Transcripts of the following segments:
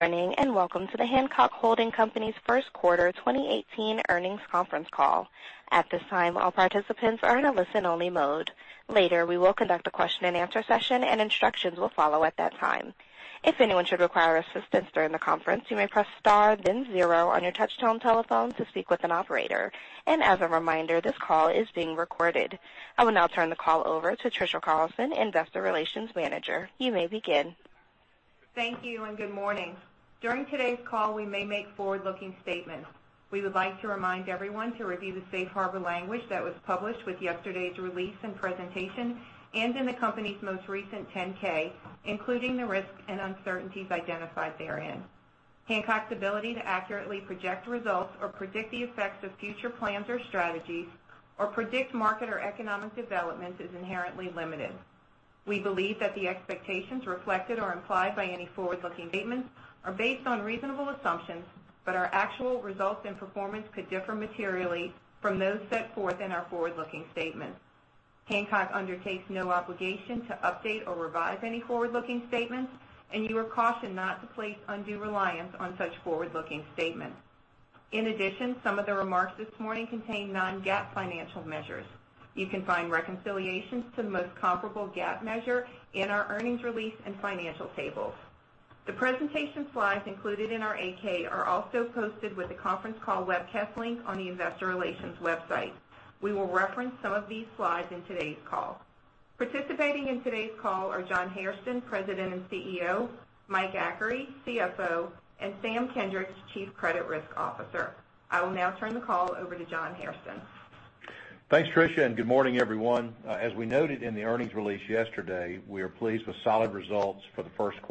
Good morning, and welcome to the Hancock Holding Company's first quarter 2018 earnings conference call. At this time, all participants are in a listen-only mode. Later, we will conduct a question and answer session, and instructions will follow at that time. If anyone should require assistance during the conference, you may press star then zero on your touch-tone telephone to speak with an operator. As a reminder, this call is being recorded. I will now turn the call over to Trisha Carlson, Investor Relations Manager. You may begin. Thank you, and good morning. During today's call, we may make forward-looking statements. We would like to remind everyone to review the safe harbor language that was published with yesterday's release and presentation and in the company's most recent 10-K, including the risks and uncertainties identified therein. Hancock's ability to accurately project results or predict the effects of future plans or strategies, or predict market or economic development is inherently limited. We believe that the expectations reflected or implied by any forward-looking statements are based on reasonable assumptions, but our actual results and performance could differ materially from those set forth in our forward-looking statements. Hancock undertakes no obligation to update or revise any forward-looking statements, and you are cautioned not to place undue reliance on such forward-looking statements. In addition, some of the remarks this morning contain non-GAAP financial measures. You can find reconciliations to the most comparable GAAP measure in our earnings release and financial tables. The presentation slides included in our 8-K are also posted with the conference call webcast link on the investor relations website. We will reference some of these slides in today's call. Participating in today's call are John Hairston, President and CEO, Mike Achary, CFO, and Sam Kendricks, Chief Credit Risk Officer. I will now turn the call over to John Hairston. Thanks, Trisha, and good morning, everyone. As we noted in the earnings release yesterday, we are pleased with solid results for the first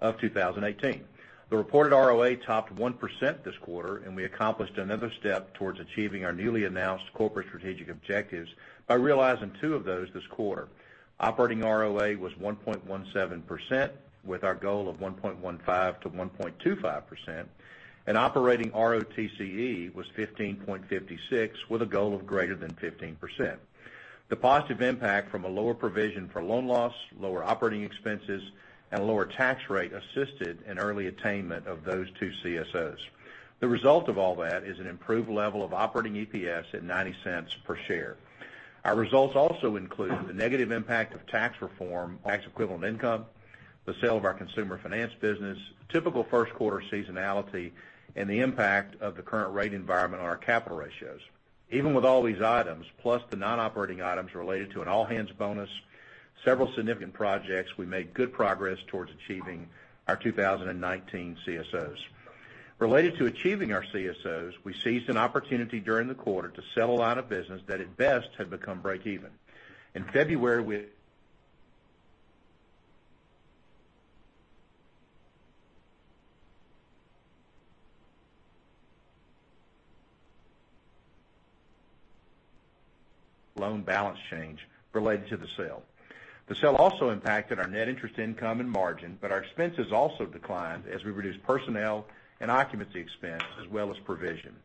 quarter of 2018. The reported ROA topped 1% this quarter, and we accomplished another step towards achieving our newly announced corporate strategic objectives by realizing 2 of those this quarter. Operating ROA was 1.17% with our goal of 1.15%-1.25%, and operating ROTCE was 15.56% with a goal of greater than 15%. The positive impact from a lower provision for loan loss, lower operating expenses, and lower tax rate assisted in early attainment of those 2 CSOs. The result of all that is an improved level of operating EPS at $0.90 per share. Our results also include the negative impact of tax reform, tax equivalent income, the sale of our Consumer Finance Company, typical first quarter seasonality, and the impact of the current rate environment on our capital ratios. Even with all these items, plus the non-operating items related to an all-hands bonus, several significant projects, we made good progress towards achieving our 2019 CSOs. Related to achieving our CSOs, we seized an opportunity during the quarter to sell a line of business that at best had become break-even. In February, we loan balance change related to the sale. The sale also impacted our net interest income and margin, but our expenses also declined as we reduced personnel and occupancy expense, as well as provision.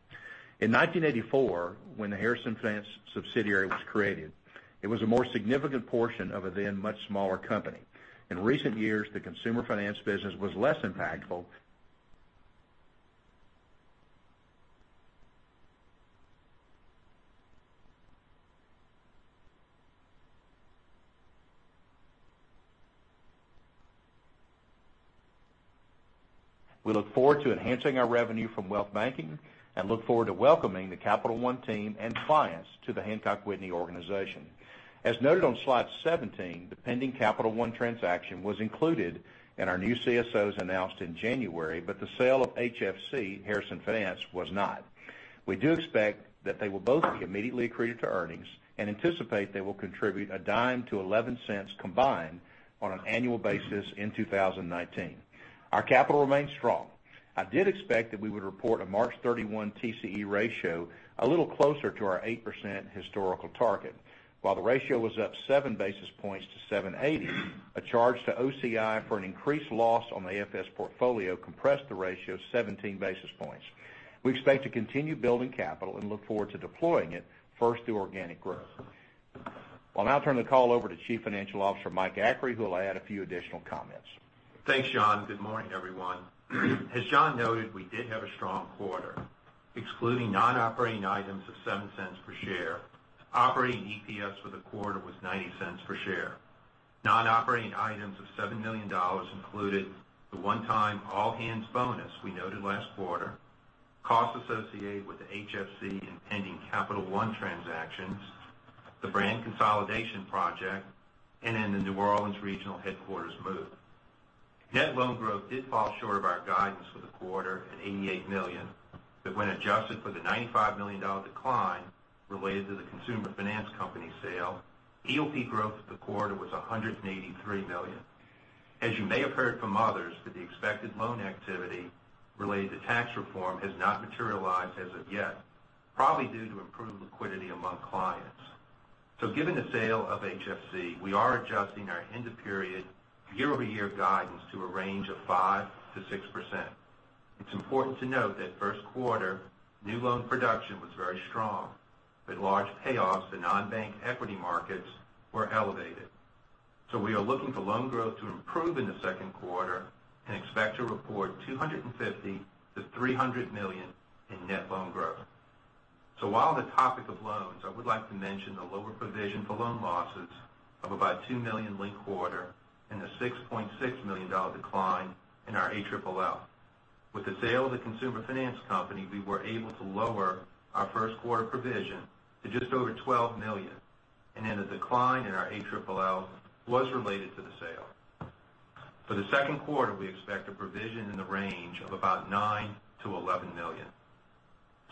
In 1984, when the Harrison Finance subsidiary was created, it was a more significant portion of a then much smaller company. In recent years, the Consumer Finance Company was less impactful. We look forward to enhancing our revenue from wealth banking and look forward to welcoming the Capital One team and clients to the Hancock Whitney organization. As noted on slide 17, the pending Capital One transaction was included in our new CSOs announced in January, but the sale of HFC, Harrison Finance, was not. We do expect that they will both be immediately accretive to earnings and anticipate they will contribute $0.10-$0.11 combined on an annual basis in 2019. Our capital remains strong. I did expect that we would report a March 31 TCE ratio a little closer to our 8% historical target. While the ratio was up 7 basis points to 7.80%, a charge to OCI for an increased loss on the AFS portfolio compressed the ratio 17 basis points. We expect to continue building capital and look forward to deploying it first through organic growth. We will now turn the call over to Chief Financial Officer Mike Achary, who will add a few additional comments. Thanks, John. Good morning, everyone. As John noted, we did have a strong quarter. Excluding non-operating items of $0.07 per share, operating EPS for the quarter was $0.90 per share. Non-operating items of $7 million included the one-time all-hands bonus we noted last quarter, costs associated with the HFC and pending Capital One transactions, the brand consolidation project, and the New Orleans regional headquarters move. Net loan growth did fall short of our guidance for the quarter at $88 million, but when adjusted for the $95 million decline related to the Consumer Finance Company sale, EOP growth for the quarter was $183 million. As you may have heard from others, the expected loan activity related to tax reform has not materialized as of yet, probably due to improved liquidity among clients. Given the sale of HFC, we are adjusting our year-over-year guidance to a range of 5%-6%. It is important to note that first quarter new loan production was very strong, but large payoffs to non-bank equity markets were elevated. We are looking for loan growth to improve in the second quarter and expect to report $250 million-$300 million in net loan growth. While on the topic of loans, I would like to mention the lower provision for loan losses of about $2 million linked quarter and the $6.6 million decline in our ALLL. With the sale of the Consumer Finance Company, we were able to lower our first quarter provision to just over $12 million, the decline in our ALLL was related to the sale. For the second quarter, we expect a provision in the range of about $9 million-$11 million.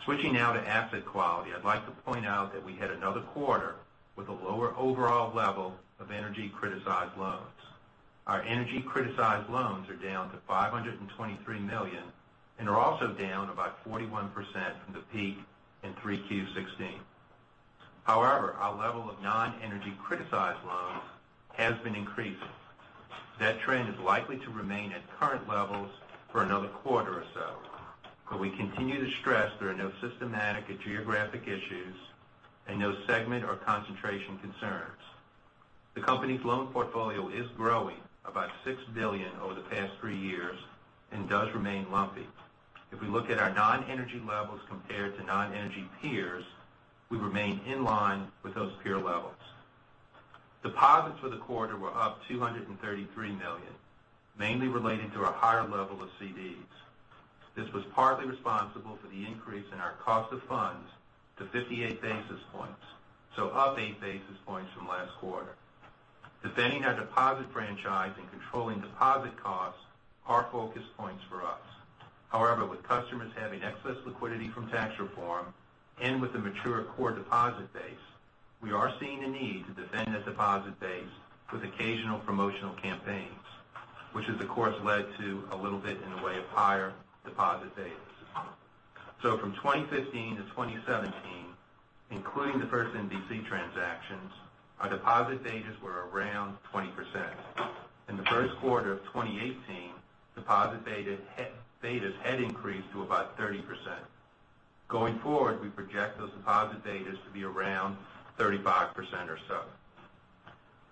Switching now to asset quality, I would like to point out that we had another quarter with a lower overall level of energy criticized loans. Our energy criticized loans are down to $523 million and are also down about 41% from the peak in 3Q16. However, our level of non-energy criticized loans has been increasing. That trend is likely to remain at current levels for another quarter or so, but we continue to stress there are no systematic or geographic issues and no segment or concentration concerns. The company's loan portfolio is growing about $6 billion over the past three years and does remain lumpy. If we look at our non-energy levels compared to non-energy peers, we remain in line with those peer levels. Deposits for the quarter were up $233 million, mainly related to a higher level of CDs. This was partly responsible for the increase in our cost of funds to 58 basis points, up 8 basis points from last quarter. Defending our deposit franchise and controlling deposit costs are focus points for us. However, with customers having excess liquidity from tax reform and with the mature core deposit base, we are seeing a need to defend the deposit base with occasional promotional campaigns, which has, of course, led to a little bit in the way of higher deposit betas. From 2015 to 2017, including the First NBC transactions, our deposit betas were around 20%. In the first quarter of 2018, deposit betas had increased to about 30%. Going forward, we project those deposit betas to be around 35% or so.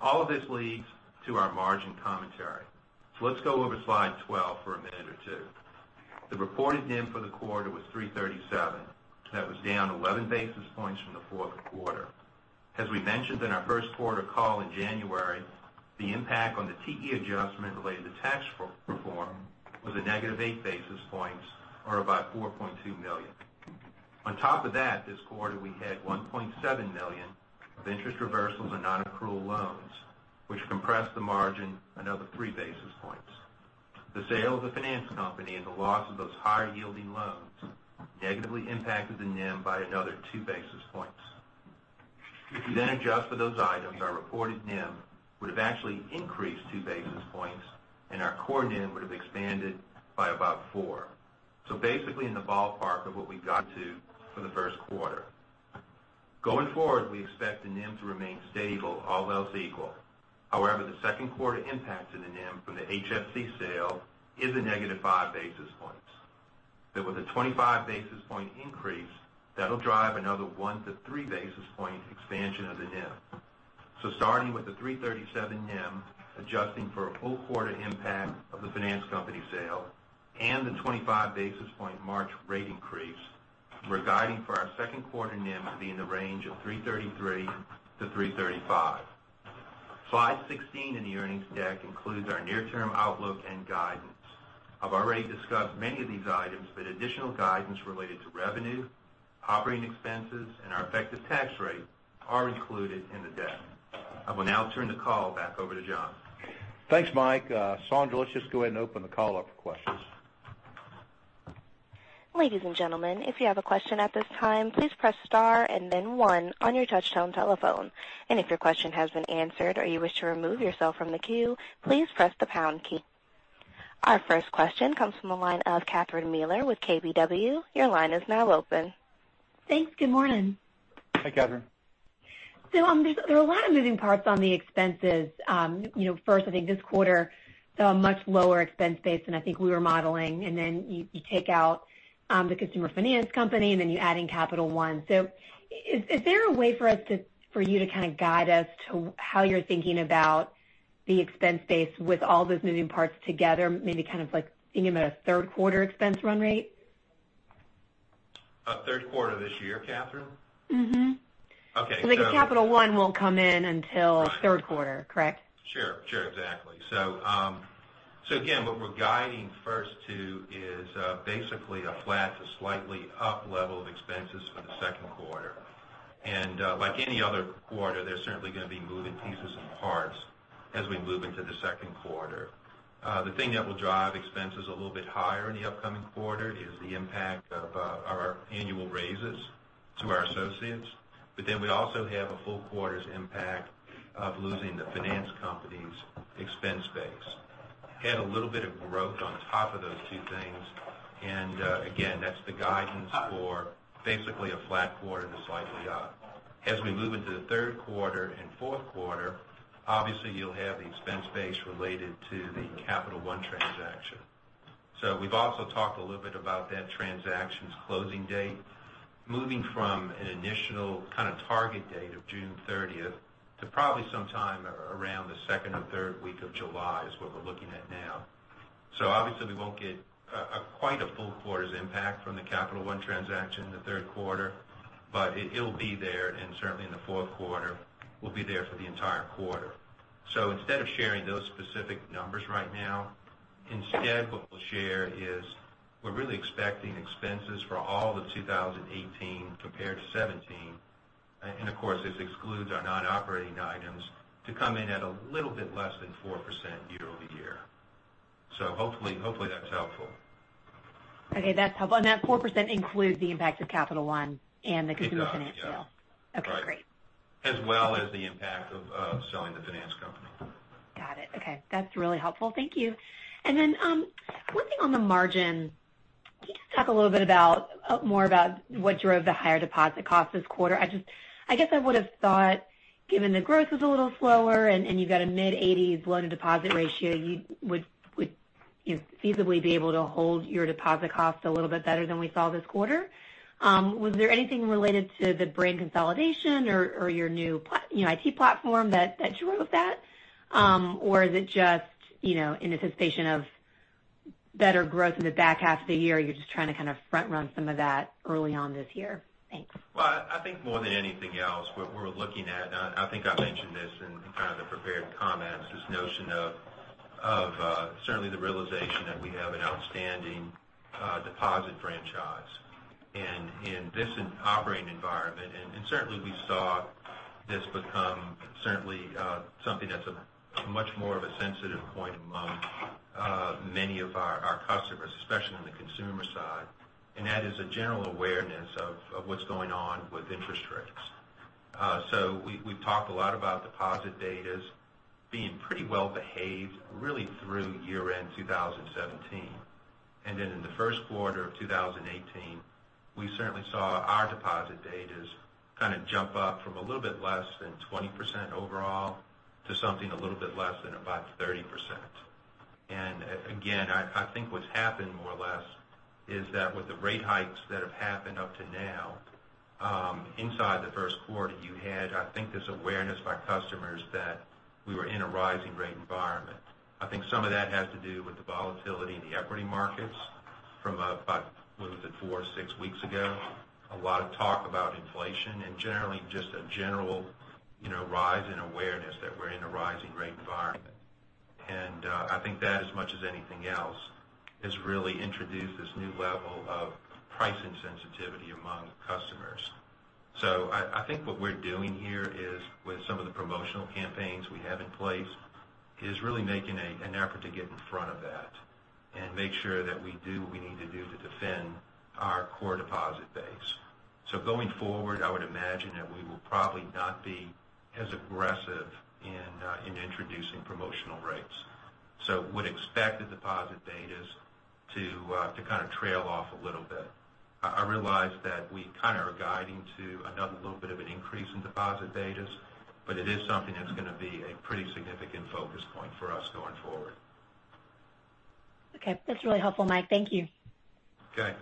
All of this leads to our margin commentary. Let's go over slide 12 for a minute or two. The reported NIM for the quarter was 337. That was down 11 basis points from the fourth quarter. As we mentioned in our first quarter call in January, the impact on the TE adjustment related to tax reform was a negative 8 basis points or about $4.2 million. On top of that, this quarter, we had $1.7 million of interest reversals on non-accrual loans, which compressed the margin another 3 basis points. The sale of the Consumer Finance Company and the loss of those higher-yielding loans negatively impacted the NIM by another 2 basis points. If you adjust for those items, our reported NIM would have actually increased 2 basis points, and our core NIM would have expanded by about 4. Basically, in the ballpark of what we got to for the first quarter. Going forward, we expect the NIM to remain stable, all else equal. The second quarter impact to the NIM from the HFC sale is a -5 basis points. With a 25 basis point increase, that'll drive another 1-3 basis point expansion of the NIM. Starting with the 337 NIM, adjusting for a full quarter impact of the finance company sale and the 25 basis point March rate increase, we're guiding for our second quarter NIM to be in the range of 333-335. Slide 16 in the earnings deck includes our near-term outlook and guidance. I've already discussed many of these items, but additional guidance related to revenue, operating expenses, and our effective tax rate are included in the deck. I will now turn the call back over to John. Thanks, Mike. Sandra, let's just go ahead and open the call up for questions. Ladies and gentlemen, if you have a question at this time, please press star and then one on your touchtone telephone. If your question has been answered or you wish to remove yourself from the queue, please press the pound key. Our first question comes from the line of Catherine Mealor with KBW. Your line is now open. Thanks. Good morning. Hi, Catherine. There are a lot of moving parts on the expenses. First, I think this quarter, saw a much lower expense base than I think we were modeling, and then you take out the Consumer Finance Company, and then you add in Capital One. Is there a way for you to guide us to how you're thinking about the expense base with all those moving parts together, maybe kind of like thinking about a third quarter expense run rate? A third quarter this year, Catherine? Okay. Capital One won't come in until third quarter, correct? Sure, exactly. Again, what we're guiding first to is basically a flat to slightly up level of expenses for the second quarter. Like any other quarter, there's certainly going to be moving pieces and parts as we move into the second quarter. The thing that will drive expenses a little bit higher in the upcoming quarter is the impact of our annual raises to our associates. We also have a full quarter's impact of losing the finance company's expense base. Add a little bit of growth on top of those two things, and again, that's the guidance for basically a flat quarter to slightly up. As we move into the third quarter and fourth quarter, obviously you'll have the expense base related to the Capital One transaction. We've also talked a little bit about that transaction's closing date, moving from an initial kind of target date of June 30th to probably some time around the second or third week of July, is what we're looking at now. Obviously we won't get quite a full quarter's impact from the Capital One transaction in the third quarter, but it'll be there and certainly in the fourth quarter, will be there for the entire quarter. Instead of sharing those specific numbers right now, instead what we'll share is we're really expecting expenses for all of 2018 compared to 2017, and of course, this excludes our non-operating items, to come in at a little bit less than 4% year-over-year. Hopefully, that's helpful. Okay, that's helpful. That 4% includes the impact of Capital One and the consumer finance sale? It does, yeah. Okay, great. As well as the impact of selling the finance company. Got it. Okay. That's really helpful. Thank you. Then, one thing on the margin. Can you just talk a little bit more about what drove the higher deposit cost this quarter? I guess I would've thought given the growth was a little slower and you've got a mid-80s loan-to-deposit ratio, you would feasibly be able to hold your deposit cost a little bit better than we saw this quarter. Was there anything related to the brand consolidation or your new IT platform that drove that? Or is it just in anticipation of better growth in the back half of the year, you're just trying to kind of front-run some of that early on this year? Thanks. Well, I think more than anything else, what we're looking at, I think I mentioned this in kind of the prepared comments, this notion of certainly the realization that we have an outstanding deposit franchise. In this operating environment, certainly we saw this become certainly something that's much more of a sensitive point among many of our customers, especially on the consumer side, that is a general awareness of what's going on with interest rates. We've talked a lot about deposit betas being pretty well-behaved really through year-end 2017. Then in the first quarter of 2018, we certainly saw our deposit betas kind of jump up from a little bit less than 20% overall to something a little bit less than about 30%. Again, I think what's happened more or less is that with the rate hikes that have happened up to now, inside the first quarter, you had, I think, this awareness by customers that we were in a rising rate environment. I think some of that has to do with the volatility in the equity markets from about, what was it, four or six weeks ago. A lot of talk about inflation and generally just a general rise in awareness that we're in a rising rate environment. I think that as much as anything else, has really introduced this new level of pricing sensitivity among customers. I think what we're doing here is with some of the promotional campaigns we have in place, is really making an effort to get in front of that and make sure that we do what we need to do to defend our core deposit base. Going forward, I would imagine that we will probably not be as aggressive in introducing promotional rates. Would expect the deposit betas to kind of trail off a little bit. I realize that we kind of are guiding to another little bit of an increase in deposit betas, but it is something that's going to be a pretty significant focus point for us going forward. Okay. That's really helpful, Mike. Thank you. Okay.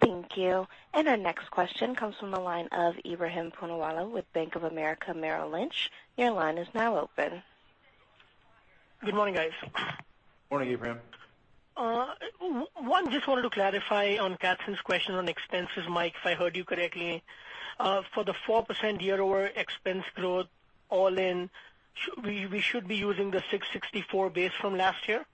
Thank you. Our next question comes from the line of Ebrahim Poonawala with Bank of America Merrill Lynch. Your line is now open. Good morning, guys. Morning, Ebrahim. Just wanted to clarify on Kathryn's question on expenses, Mike, if I heard you correctly. For the 4% year-over expense growth all in, we should be using the $664 base from last year?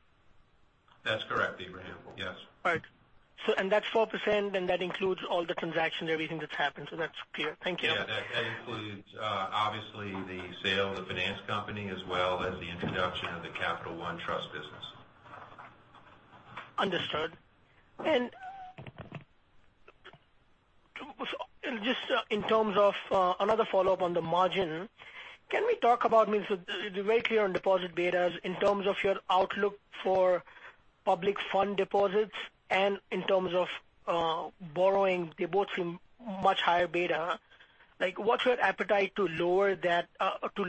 That's correct, Ebrahim. Yes. All right. That's 4%, and that includes all the transaction, everything that's happened. That's clear. Thank you. Yeah, that includes, obviously the sale of the finance company, as well as the introduction of the Capital One trust business. Understood. Just in terms of another follow-up on the margin, can we talk about, you're very clear on deposit betas in terms of your outlook for public fund deposits and in terms of borrowing, they both seem much higher beta. What's your appetite to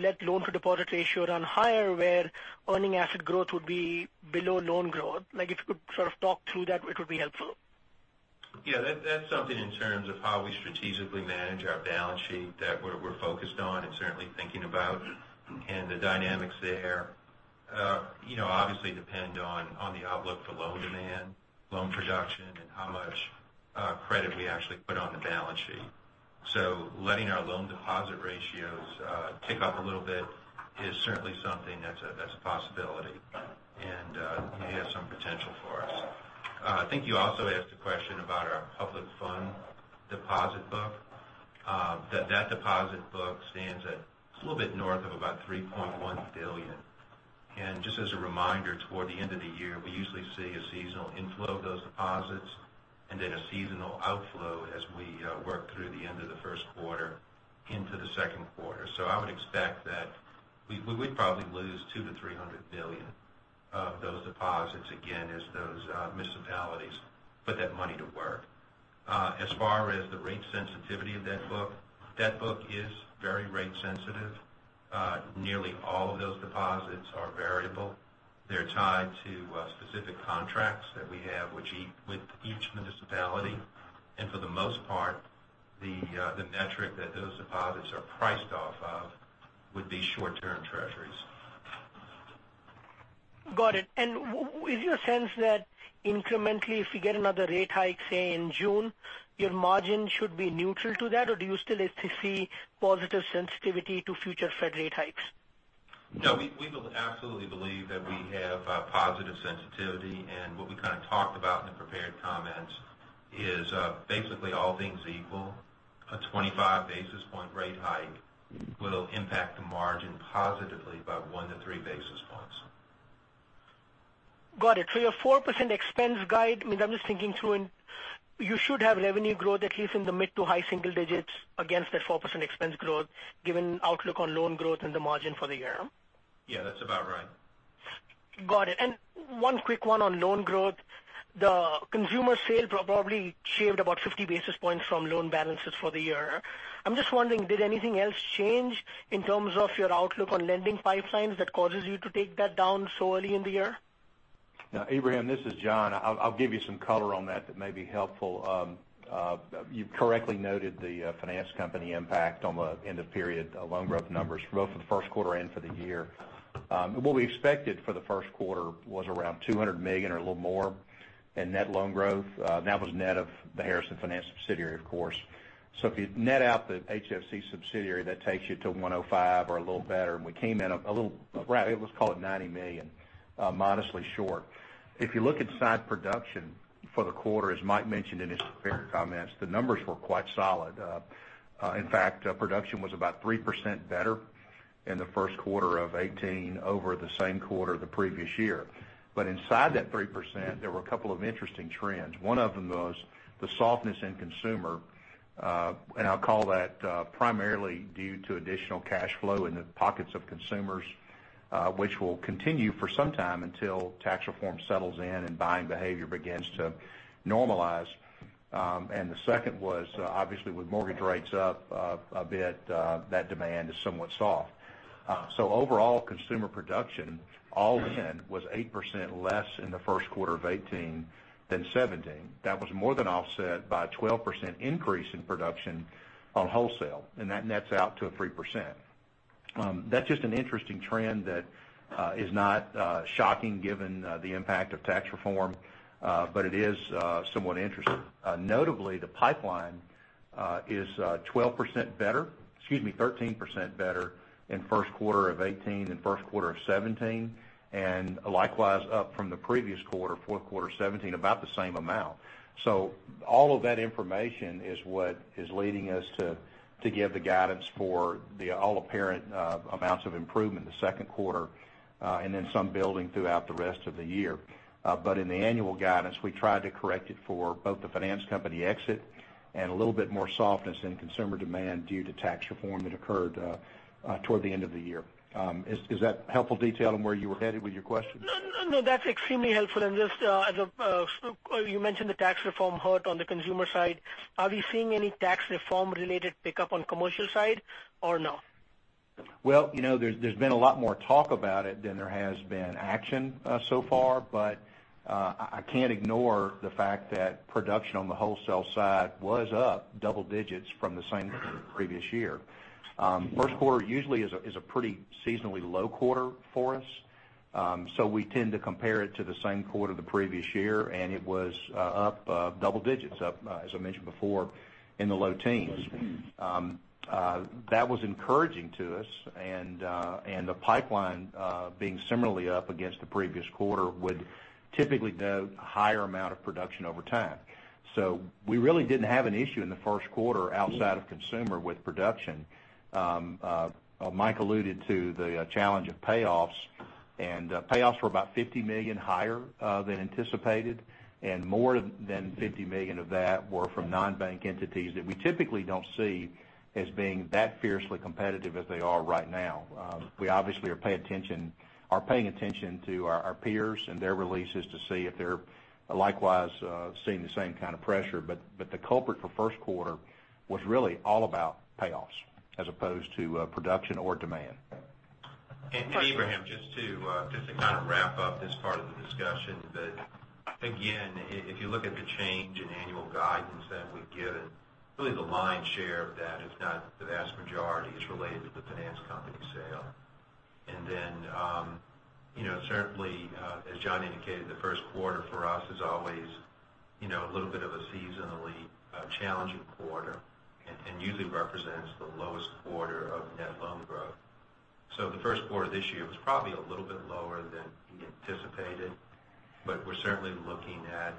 let loan-to-deposit ratio run higher where earning asset growth would be below loan growth? If you could sort of talk through that, it would be helpful. Yeah, that's something in terms of how we strategically manage our balance sheet that we're focused on and certainly thinking about. The dynamics there obviously depend on the outlook for loan demand, loan production, and how much credit we actually put on the balance sheet. Letting our loan-deposit ratios tick up a little bit is certainly something that's a possibility and may have some potential for us. I think you also asked a question about our public fund deposit book. That deposit book stands at a little bit north of about $3.1 billion. Just as a reminder, toward the end of the year, we usually see a seasonal inflow of those deposits and then a seasonal outflow as we work through the end of the first quarter into the second quarter. I would expect that we'd probably lose $200 million to $300 million of those deposits again as those municipalities put that money to work. As far as the rate sensitivity of that book, that book is very rate sensitive. Nearly all of those deposits are variable. They're tied to specific contracts that we have with each municipality, and for the most part, the metric that those deposits are priced off of would be short-term treasuries. Got it. Is your sense that incrementally, if you get another rate hike, say, in June, your margin should be neutral to that? Or do you still see positive sensitivity to future Fed rate hikes? No, we absolutely believe that we have a positive sensitivity. What we kind of talked about in the prepared comments is, basically all things equal, a 25-basis-point rate hike will impact the margin positively by one to three basis points. Got it. Your 4% expense guide, I'm just thinking through, you should have revenue growth at least in the mid to high single digits against that 4% expense growth given outlook on loan growth and the margin for the year, huh? Yeah, that's about right. Got it. One quick one on loan growth. The consumer sale probably shaved about 50 basis points from loan balances for the year. I'm just wondering, did anything else change in terms of your outlook on lending pipelines that causes you to take that down so early in the year? Now, Ebrahim, this is John. I'll give you some color on that that may be helpful. You correctly noted the finance company impact on the end-of-period loan growth numbers, both for the first quarter and for the year. What we expected for the first quarter was around $200 million or a little more in net loan growth. That was net of the Harrison Finance subsidiary, of course. If you net out the HFC subsidiary, that takes you to $105 or a little better, and we came in a little, let's call it $90 million, modestly short. If you look inside production for the quarter, as Mike mentioned in his prepared comments, the numbers were quite solid. In fact, production was about 3% better in the first quarter of 2018 over the same quarter the previous year. Inside that 3%, there were a couple of interesting trends. One of them was the softness in consumer, and I'll call that primarily due to additional cash flow in the pockets of consumers, which will continue for some time until tax reform settles in and buying behavior begins to normalize. The second was, obviously, with mortgage rates up a bit, that demand is somewhat soft. Overall, consumer production all in was 8% less in the first quarter of 2018 than 2017. That was more than offset by a 12% increase in production on wholesale, and that nets out to a 3%. That's just an interesting trend that is not shocking given the impact of tax reform, but it is somewhat interesting. Notably, the pipeline is 13% better in first quarter of 2018 than first quarter of 2017, and likewise up from the previous quarter, fourth quarter 2017, about the same amount. All of that information is what is leading us to give the guidance for the all apparent amounts of improvement the second quarter, and then some building throughout the rest of the year. In the annual guidance, we tried to correct it for both the finance company exit and a little bit more softness in consumer demand due to tax reform that occurred toward the end of the year. Is that helpful detail on where you were headed with your question? No, that's extremely helpful. You mentioned the tax reform hurt on the consumer side. Are we seeing any tax reform-related pickup on commercial side or no? There's been a lot more talk about it than there has been action so far, but I can't ignore the fact that production on the wholesale side was up double digits from the same quarter the previous year. First quarter usually is a pretty seasonally low quarter for us. We tend to compare it to the same quarter the previous year, and it was up double digits, up, as I mentioned before, in the low teens. That was encouraging to us, and the pipeline being similarly up against the previous quarter would typically note a higher amount of production over time. We really didn't have an issue in the first quarter outside of consumer with production. Mike alluded to the challenge of payoffs, and payoffs were about $50 million higher than anticipated, and more than $50 million of that were from non-bank entities that we typically don't see as being that fiercely competitive as they are right now. We obviously are paying attention to our peers and their releases to see if they're likewise seeing the same kind of pressure. The culprit for first quarter was really all about payoffs as opposed to production or demand. Ebrahim, just to kind of wrap up this part of the discussion, but again, if you look at the change in annual guidance that we've given, really the lion's share of that, if not the vast majority, is related to the finance company sale. Certainly, as John indicated, the first quarter for us is always a little bit of a seasonally challenging quarter, and usually represents the lowest quarter of net loan growth. The first quarter of this year was probably a little bit lower than we anticipated, but we're certainly looking at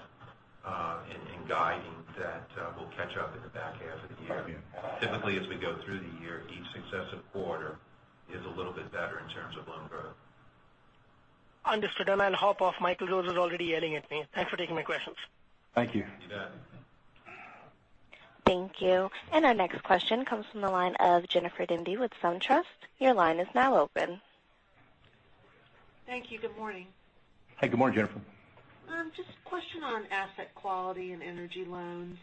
and guiding that we'll catch up in the back half of the year. Typically, as we go through the year, each successive quarter is a little bit better in terms of loan growth. Understood. I'll hop off. Michael Rose is already yelling at me. Thanks for taking my questions. Thank you. You bet. Thank you. Our next question comes from the line of Jennifer Demba with SunTrust. Your line is now open. Thank you. Good morning. Hey, good morning, Jennifer. Just a question on asset quality and energy loans.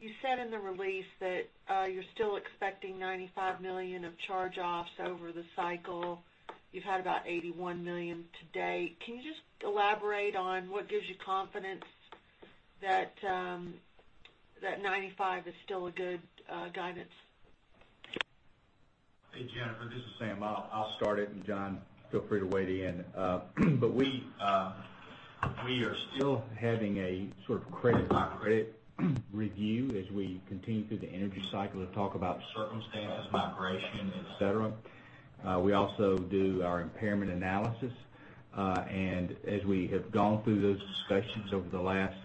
You said in the release that you're still expecting $95 million of charge-offs over the cycle. You've had about $81 million to date. Can you just elaborate on what gives you confidence that 95 is still a good guidance? Hey, Jennifer, this is Sam. I'll start it, John, feel free to weigh in. We are still having a sort of credit by credit review as we continue through the energy cycle to talk about circumstances, migration, et cetera. We also do our impairment analysis. As we have gone through those discussions over the last,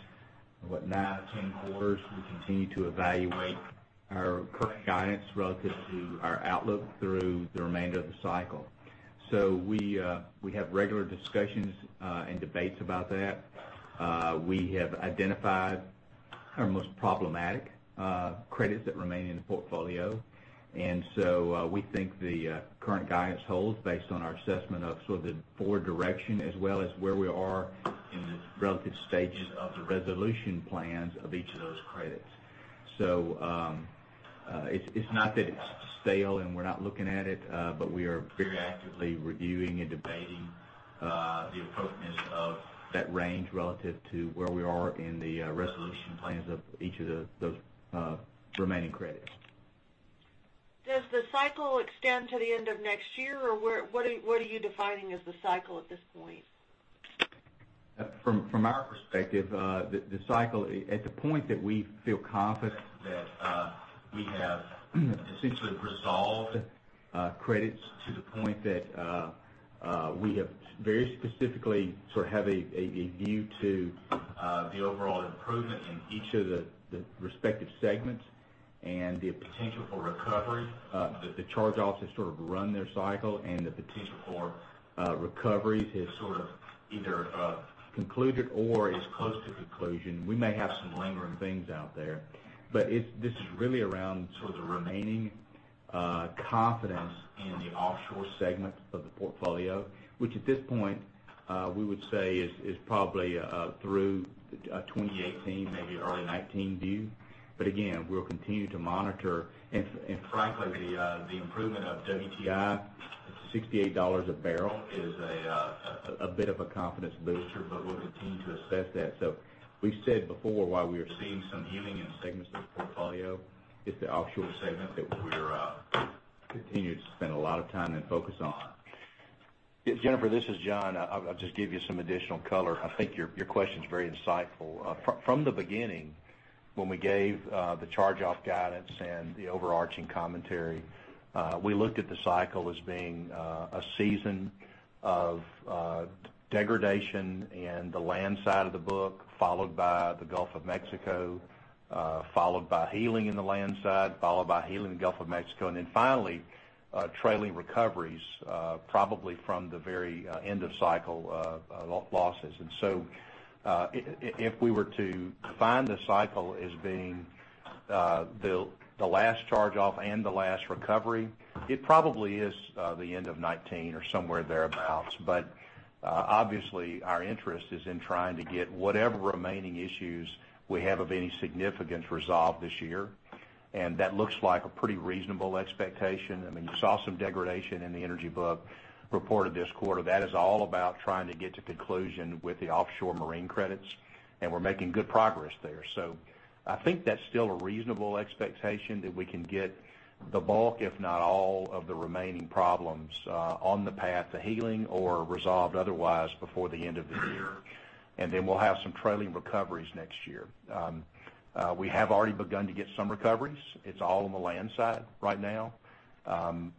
what, 9 or 10 quarters, we continue to evaluate our current guidance relative to our outlook through the remainder of the cycle. We have regular discussions and debates about that. We have identified our most problematic credits that remain in the portfolio. We think the current guidance holds based on our assessment of sort of the forward direction as well as where we are in the relative stages of the resolution plans of each of those credits. It's not that it's stale and we're not looking at it, we are very actively reviewing and debating the appropriateness of that range relative to where we are in the resolution plans of each of those remaining credits. Does the cycle extend to the end of next year, or what are you defining as the cycle at this point? From our perspective, the cycle at the point that we feel confident that we have essentially resolved credits to the point that we have very specifically sort of have a view to the overall improvement in each of the respective segments and the potential for recovery, that the charge-offs have sort of run their cycle and the potential for recovery is sort of either concluded or is close to conclusion. We may have some lingering things out there. This is really around sort of the remaining confidence in the offshore segments of the portfolio, which at this point, we would say is probably through 2018, maybe early 2019 view. Again, we'll continue to monitor. Frankly, the improvement of WTI to $68 a barrel is a bit of a confidence booster, we'll continue to assess that. We've said before, while we are seeing some healing in segments of the portfolio, it's the offshore segment that we're continuing to spend a lot of time and focus on. Jennifer, this is John. I'll just give you some additional color. I think your question's very insightful. From the beginning, when we gave the charge-off guidance and the overarching commentary, we looked at the cycle as being a season of degradation in the land side of the book, followed by the Gulf of Mexico, followed by healing in the land side, followed by healing in the Gulf of Mexico, then finally, trailing recoveries, probably from the very end of cycle losses. If we were to define the cycle as being the last charge-off and the last recovery, it probably is the end of 2019 or somewhere thereabout. Obviously, our interest is in trying to get whatever remaining issues we have of any significance resolved this year, and that looks like a pretty reasonable expectation. You saw some degradation in the energy book reported this quarter. That is all about trying to get to conclusion with the offshore marine credits, and we're making good progress there. I think that's still a reasonable expectation that we can get the bulk, if not all, of the remaining problems on the path to healing or resolved otherwise before the end of the year. We'll have some trailing recoveries next year. We have already begun to get some recoveries. It's all on the land side right now.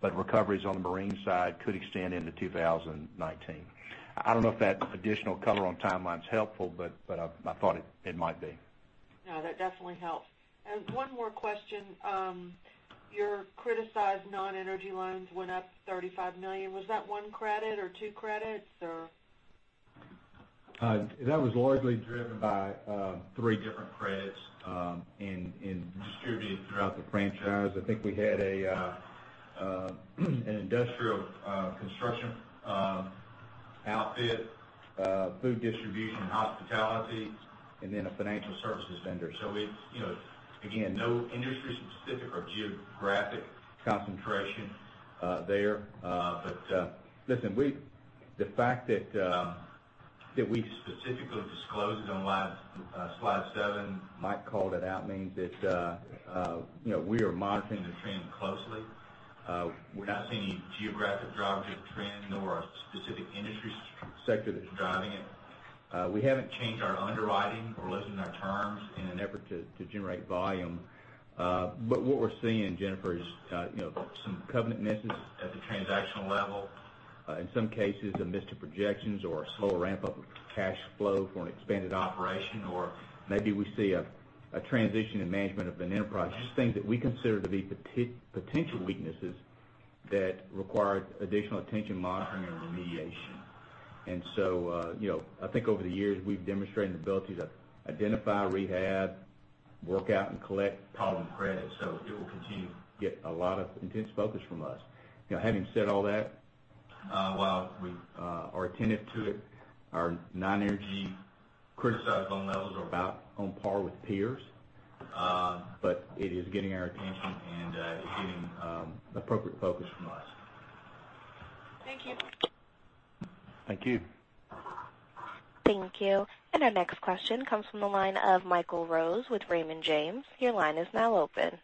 Recoveries on the marine side could extend into 2019. I don't know if that additional color on timeline's helpful, I thought it might be. No, that definitely helps. One more question. Your criticized non-energy loans went up $35 million. Was that one credit or two credits, or? That was largely driven by three different credits distributed throughout the franchise. I think we had an industrial construction outfit, food distribution, hospitality, and then a financial services vendor. Again, no industry specific or geographic concentration there. Listen, the fact that we specifically disclosed it on slide seven, Mike called it out means that we are monitoring the trend closely. We're not seeing any geographic driver to the trend nor a specific industry sector that's driving it. We haven't changed our underwriting or loosened our terms in an effort to generate volume. What we're seeing, Jennifer, is some covenant misses at the transactional level. In some cases, a miss to projections or a slower ramp-up of cash flow for an expanded operation, or maybe we see a transition in management of an enterprise. Just things that we consider to be potential weaknesses that require additional attention, monitoring, and remediation. I think over the years, we've demonstrated an ability to identify, rehab, work out, and collect problem credit. It will continue to get a lot of intense focus from us. Having said all that, while we are attentive to it, our non-energy criticized loan levels are about on par with peers. It is getting our attention and it's getting appropriate focus from us. Thank you. Thank you. Thank you. Our next question comes from the line of Michael Rose with Raymond James. Your line is now open.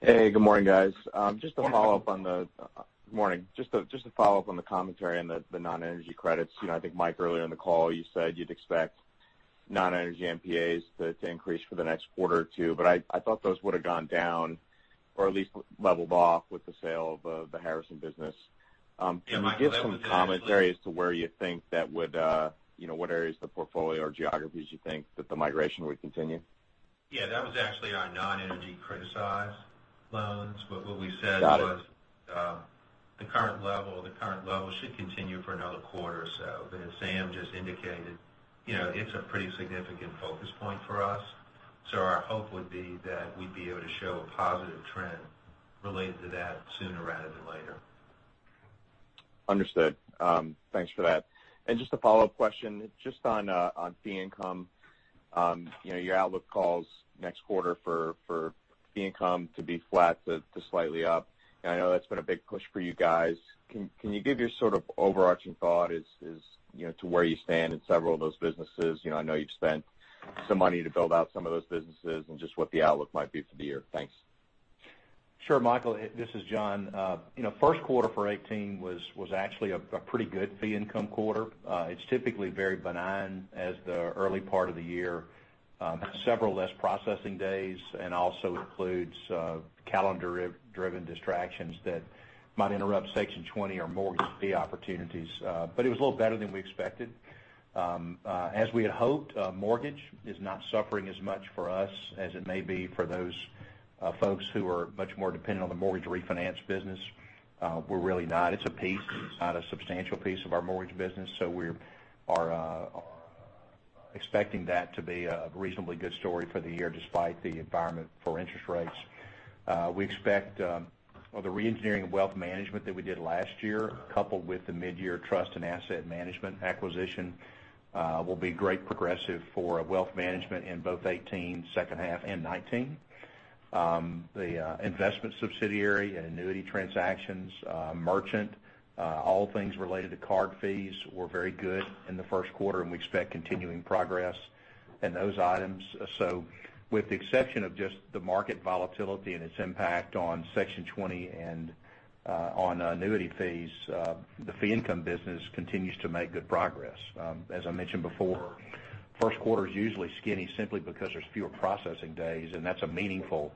Hey, good morning, guys. Good morning. Just to follow up on the commentary on the non-energy credits. I think, Mike, earlier in the call, you said you'd expect non-energy NPAs to increase for the next quarter or two. I thought those would've gone down, or at least leveled off with the sale of the Harrison business. Yeah, Michael, that was actually. Can you give some commentary as to what areas of the portfolio or geographies you think that the migration would continue? Yeah, that was actually our non-energy criticized loans. What we said was. Got it. The current level should continue for another quarter or so. As Sam just indicated, it's a pretty significant focus point for us. Our hope would be that we'd be able to show a positive trend related to that sooner rather than later. Understood. Thanks for that. Just a follow-up question, just on fee income. Your outlook calls next quarter for fee income to be flat to slightly up. I know that's been a big push for you guys. Can you give your sort of overarching thought as to where you stand in several of those businesses? I know you've spent some money to build out some of those businesses, and just what the outlook might be for the year. Thanks. Sure, Michael, this is John. First quarter for 2018 was actually a pretty good fee income quarter. It's typically very benign as the early part of the year. Several less processing days, and also includes calendar-driven distractions that might interrupt Section 20 or mortgage fee opportunities. It was a little better than we expected. As we had hoped, mortgage is not suffering as much for us as it may be for those folks who are much more dependent on the mortgage refinance business. We're really not. It's a piece. It's not a substantial piece of our mortgage business, so we are expecting that to be a reasonably good story for the year, despite the environment for interest rates. We expect the re-engineering of wealth management that we did last year, coupled with the mid-year Trust and Asset Management acquisition will be great progressive for wealth management in both 2018 second half and 2019. The investment subsidiary and annuity transactions, merchant, all things related to card fees were very good in the first quarter, and we expect continuing progress in those items. With the exception of just the market volatility and its impact on Section 20 and on annuity fees, the fee income business continues to make good progress. As I mentioned before, first quarter is usually skinny simply because there's fewer processing days, and that's a meaningful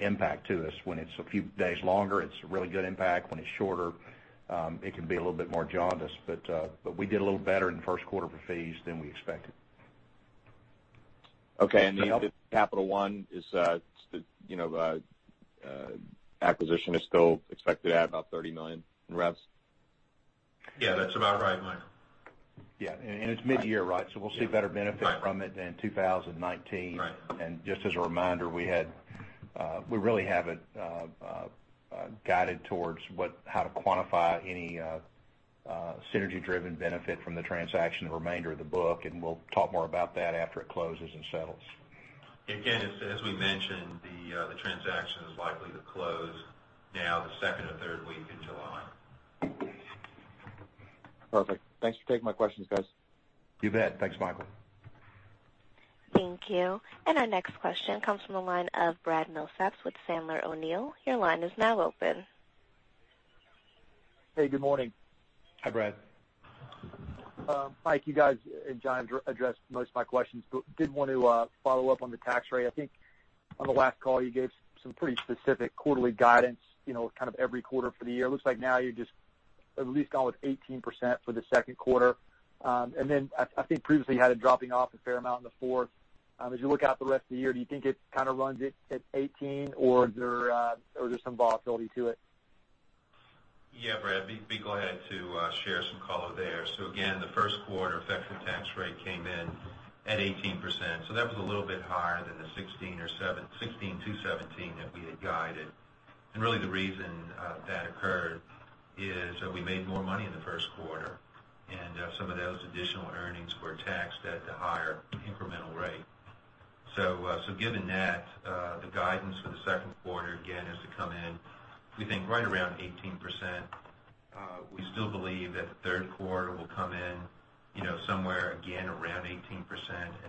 impact to us. When it's a few days longer, it's a really good impact. When it's shorter, it can be a little bit more jaundiced. We did a little better in the first quarter for fees than we expected. Okay. Does that help? The Capital One acquisition is still expected to add about $30 million in revs? Yeah, that's about right, Michael. Right. Yeah. It's mid-year, right? We'll see better benefit- Right from it in 2019. Right. Just as a reminder, we really haven't guided towards how to quantify any synergy-driven benefit from the transaction, the remainder of the book, and we'll talk more about that after it closes and settles. Again, as we mentioned, the transaction is likely to close now the second or third week in July. Perfect. Thanks for taking my questions, guys. You bet. Thanks, Michael. Thank you. Our next question comes from the line of Brad Milsaps with Sandler O'Neill. Your line is now open. Hey, good morning. Hi, Brad. Mike, you guys, and John addressed most of my questions, but did want to follow up on the tax rate. I think on the last call, you gave some pretty specific quarterly guidance, kind of every quarter for the year. It looks like now you're just at least going with 18% for the second quarter. I think previously you had it dropping off a fair amount in the fourth. As you look out the rest of the year, do you think it kind of runs at 18%, or is there some volatility to it? Brad, be glad to share some color there. Again, the first quarter effective tax rate came in at 18%, so that was a little bit higher than the 16%-17% that we had guided. Really the reason that occurred is that we made more money in the first quarter, and some of those additional earnings were taxed at the higher incremental rate. Given that, the guidance for the second quarter, again, is to come in, we think right around 18%. We still believe that the third quarter will come in somewhere, again, around 18%,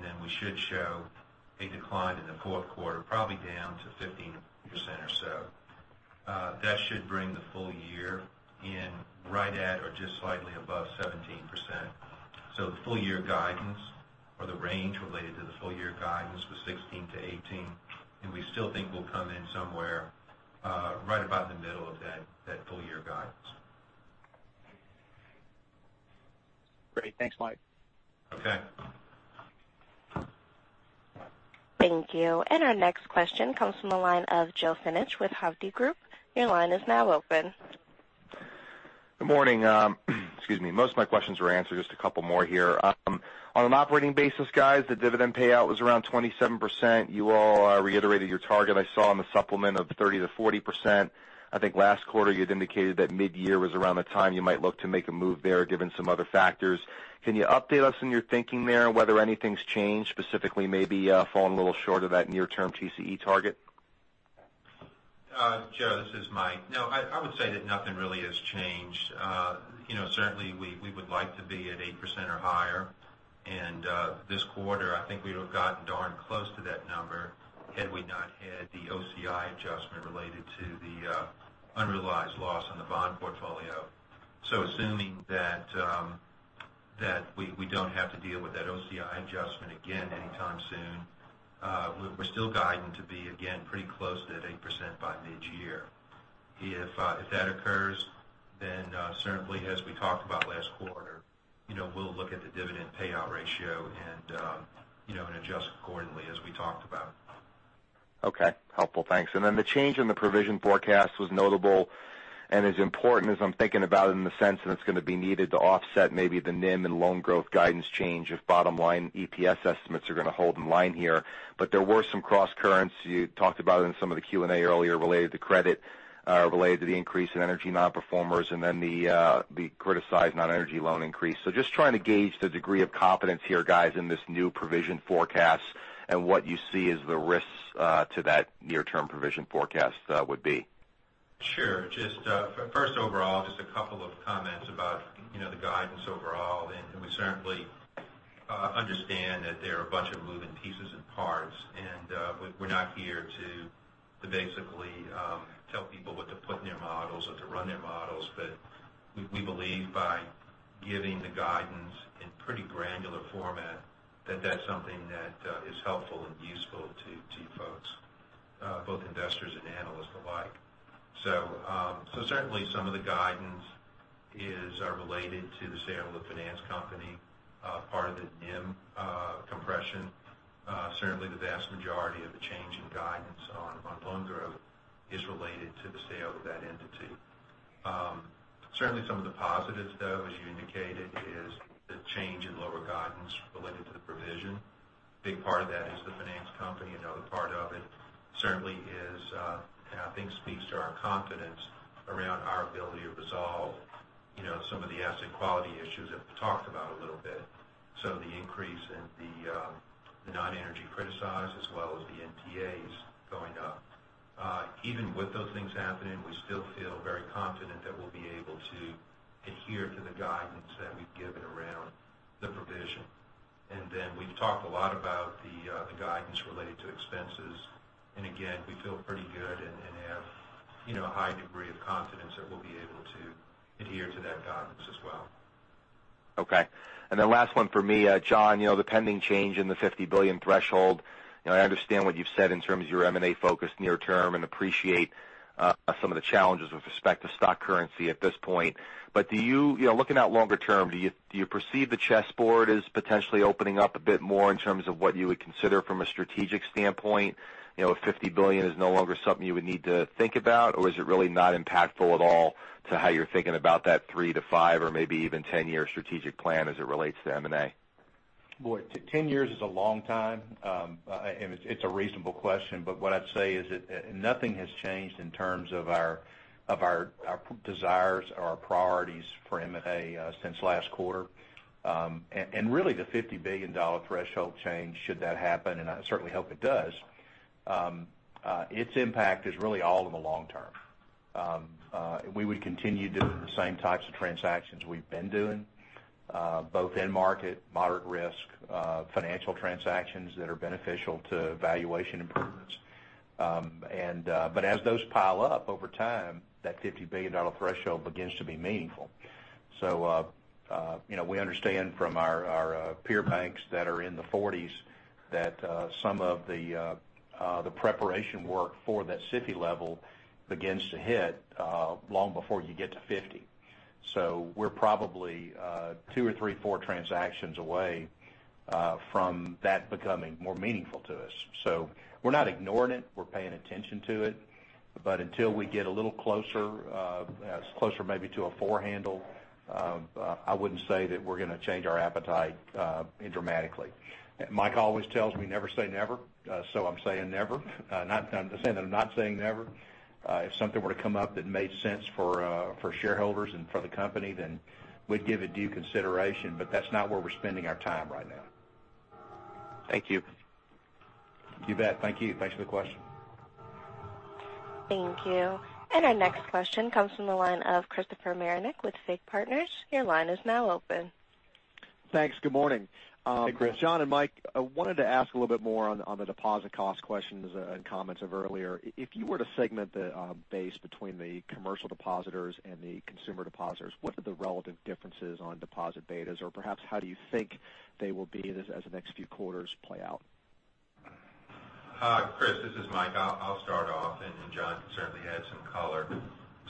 then we should show a decline in the fourth quarter, probably down to 15% or so. That should bring the full year in right at or just slightly above 17%. The full-year guidance, or the range related to the full-year guidance was 16-18, and we still think we'll come in somewhere right about the middle of that full-year guidance. Great. Thanks, Mike. Okay. Thank you. Our next question comes from the line of Joe Sinnott with Hovde Group. Your line is now open. Good morning. Excuse me. Most of my questions were answered, just a couple more here. On an operating basis, guys, the dividend payout was around 27%. You all reiterated your target, I saw, in the supplement of 30%-40%. I think last quarter you had indicated that midyear was around the time you might look to make a move there, given some other factors. Can you update us on your thinking there, and whether anything's changed, specifically maybe falling a little short of that near-term TCE target? Joe, this is Mike. No, I would say that nothing really has changed. Certainly, we would like to be at 8% or higher. This quarter, I think we would've gotten darn close to that number had we not had the OCI adjustment related to the unrealized loss on the bond portfolio. Assuming that we don't have to deal with that OCI adjustment again anytime soon, we're still guiding to be, again, pretty close to that 8% by midyear. If that occurs, certainly, as we talked about last quarter, we'll look at the dividend payout ratio and adjust accordingly, as we talked about. Okay. Helpful. Thanks. The change in the provision forecast was notable and is important as I'm thinking about it in the sense that it's going to be needed to offset maybe the NIM and loan growth guidance change if bottom-line EPS estimates are going to hold in line here. There were some crosscurrents you talked about in some of the Q&A earlier related to credit, related to the increase in energy nonperformers, and then the criticized non-energy loan increase. Just trying to gauge the degree of confidence here, guys, in this new provision forecast and what you see as the risks to that near-term provision forecast would be. Sure. First, overall, just a couple of comments about the guidance overall. We certainly understand that there are a bunch of moving pieces and parts. We're not here to basically tell people what to put in their models or to run their models. We believe by giving the guidance in pretty granular format, that that's something that is helpful and useful to folks, both investors and analysts alike. Certainly, some of the guidance is related to the sale of the finance company part of the NIM compression. Certainly, the vast majority of the change in guidance on loan growth is related to the sale of that entity. Certainly, some of the positives, though, as you indicated, is the change in lower guidance related to the provision. Big part of that is the finance company. Another part of it certainly is and I think speaks to our confidence around our ability to resolve some of the asset quality issues that we talked about a little bit. The increase in the non-energy criticized as well as the NPAs going up. Even with those things happening, we still feel very confident that we'll be able to adhere to the guidance that we've given around the provision. We've talked a lot about the guidance related to expenses. Again, we feel pretty good and have a high degree of confidence that we'll be able to adhere to that guidance as well. Okay. Last one for me. John, the pending change in the $50 billion threshold. I understand what you've said in terms of your M&A focus near term and appreciate some of the challenges with respect to stock currency at this point. Looking out longer term, do you perceive the chessboard as potentially opening up a bit more in terms of what you would consider from a strategic standpoint? If $50 billion is no longer something you would need to think about, or is it really not impactful at all to how you're thinking about that three to five or maybe even 10-year strategic plan as it relates to M&A? Boy, 10 years is a long time. It's a reasonable question, but what I'd say is that nothing has changed in terms of our desires or our priorities for M&A since last quarter. Really, the $50 billion threshold change, should that happen, and I certainly hope it does, its impact is really all in the long term. We would continue doing the same types of transactions we've been doing both in market, moderate risk, financial transactions that are beneficial to valuation improvements. As those pile up over time, that $50 billion threshold begins to be meaningful. We understand from our peer banks that are in the 40s that some of the preparation work for that $50 level begins to hit long before you get to 50. We're probably two or three, four transactions away from that becoming more meaningful to us. We're not ignoring it. We're paying attention to it. Until we get a little closer maybe to a 4 handle, I wouldn't say that we're going to change our appetite dramatically. Mike always tells me, never say never. I'm saying never. I'm saying that I'm not saying never. If something were to come up that made sense for shareholders and for the company, then we'd give it due consideration, but that's not where we're spending our time right now. Thank you. You bet. Thank you. Thanks for the question. Thank you. Our next question comes from the line of Christopher Marinac with FIG Partners. Your line is now open. Thanks. Good morning. Hey, Chris. John Hairston and Mike Achary, I wanted to ask a little bit more on the deposit cost questions and comments of earlier. If you were to segment the base between the commercial depositors and the consumer depositors, what are the relevant differences on deposit betas? Perhaps how do you think they will be as the next few quarters play out? Hi, Christopher Marinac, this is Mike Achary. I'll start off, and John Hairston can certainly add some color.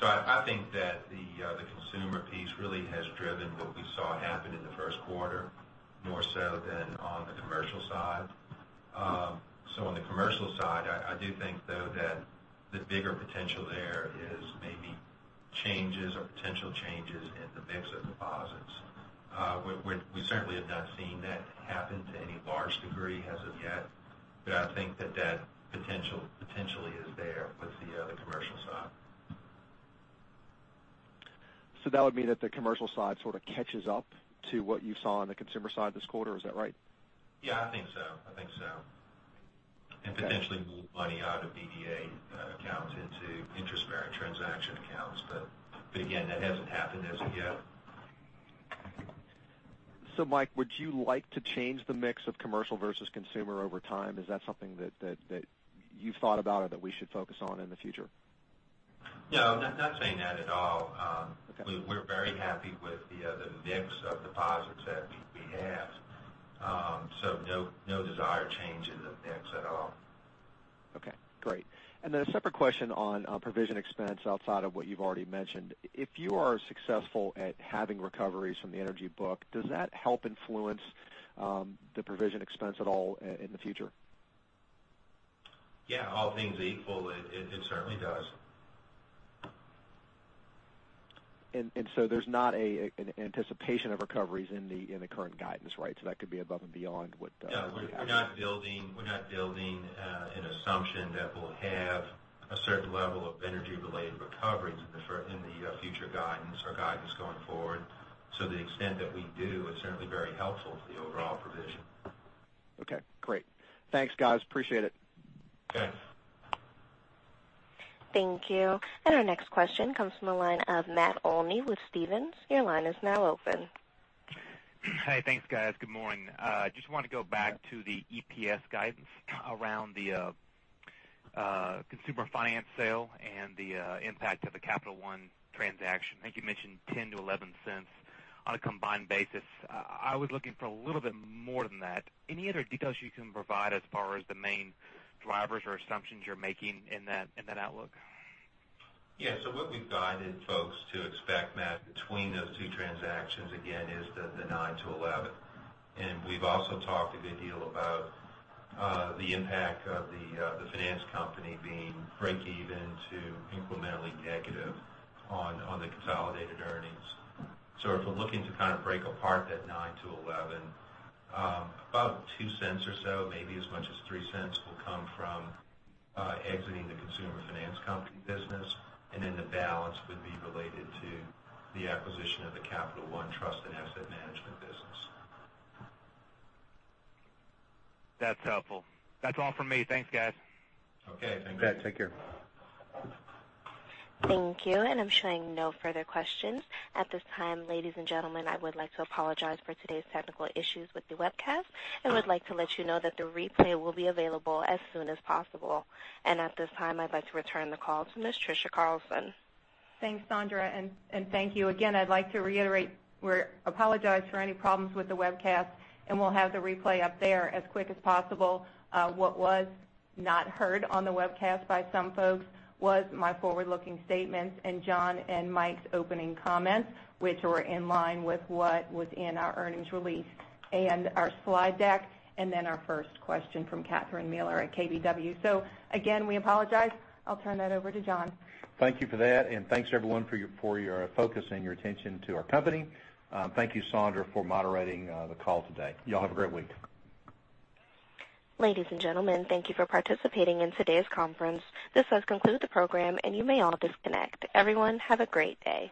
I think that the consumer piece really has driven what we saw happen in the first quarter, more so than on the commercial side. On the commercial side, I do think, though, that the bigger potential there is maybe changes or potential changes in the mix of deposits. We certainly have not seen that happen to any large degree as of yet, but I think that potentially is there with the commercial side. That would mean that the commercial side sort of catches up to what you saw on the consumer side this quarter. Is that right? Yeah, I think so. I think so. Okay. Potentially move money out of DDA accounts into interest bearing transaction accounts. Again, that hasn't happened as of yet. Mike, would you like to change the mix of commercial versus consumer over time? Is that something that you've thought about or that we should focus on in the future? No, I'm not saying that at all. Okay. We're very happy with the mix of deposits that we have. No desired change in the mix at all. Okay, great. A separate question on provision expense outside of what you've already mentioned. If you are successful at having recoveries from the energy book, does that help influence the provision expense at all in the future? Yeah, all things equal, it certainly does. There's not an anticipation of recoveries in the current guidance, right? No, we're not building an assumption that we'll have a certain level of energy related recoveries in the future guidance or guidance going forward. The extent that we do is certainly very helpful to the overall provision. Okay, great. Thanks, guys, appreciate it. Okay. Thank you. Our next question comes from the line of Matt Olney with Stephens. Your line is now open. Hi. Thanks, guys. Good morning. Just want to go back to the EPS guidance around the Consumer Finance sale and the impact of the Capital One transaction. I think you mentioned $0.10-$0.11 on a combined basis. I was looking for a little bit more than that. Any other details you can provide as far as the main drivers or assumptions you're making in that outlook? Yeah. What we've guided folks to expect, Matt, between those two transactions, again, is the $0.09-$0.11. We've also talked a good deal about the impact of the Finance Company being breakeven to incrementally negative on the consolidated earnings. If we're looking to kind of break apart that $0.09-$0.11, about $0.02 or so, maybe as much as $0.03 will come from exiting the Consumer Finance Company business, and then the balance would be related to the acquisition of the Capital One Trust and Asset Management business. That's helpful. That's all from me. Thanks, guys. Okay, thank you. Okay, take care. Thank you. I'm showing no further questions. At this time, ladies and gentlemen, I would like to apologize for today's technical issues with the webcast and would like to let you know that the replay will be available as soon as possible. At this time, I'd like to return the call to Ms. Trisha Carlson. Thanks, Sandra, and thank you again. I'd like to reiterate or apologize for any problems with the webcast, and we'll have the replay up there as quick as possible. What was not heard on the webcast by some folks was my forward-looking statements and John and Mike's opening comments, which were in line with what was in our earnings release and our slide deck, and then our first question from Catherine Mealor at KBW. Again, we apologize. I'll turn that over to John. Thank you for that, and thanks everyone for your focus and your attention to our company. Thank you, Sandra, for moderating the call today. You all have a great week. Ladies and gentlemen, thank you for participating in today's conference. This does conclude the program, and you may all disconnect. Everyone, have a great day.